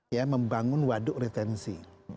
ya membangun waduk retensi